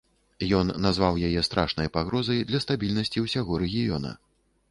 Ён назваў яе страшнай пагрозай для стабільнасці ўсяго рэгіёна.